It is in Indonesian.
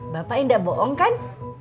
bapak indah bohong kan